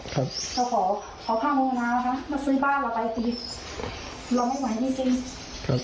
ครับเขาขอข้างโรงพยาบาลนะคะมาซื้อบ้านเราไปจีบเราไม่ไหวจริงจริง